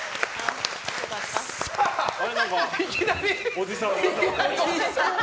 いきなりおじさんが。